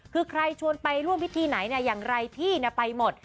คือใครชวนไปร่วมพิธีไหนอย่างไรพี่ไปหมด